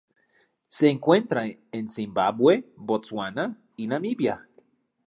Se encuentra en Zimbabue, Botsuana y Namibia.